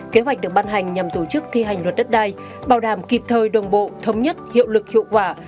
kế hoạch được ban hành nhằm tổ chức thi hành luật đất đai bảo đảm kịp thời đồng bộ thống nhất hiệu lực hiệu quả